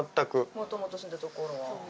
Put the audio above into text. もともと住んでた所は。